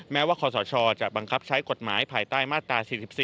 แม้ว่าคอสชจะบังคับใช้กฎหมายภายใต้มาตรา๔๔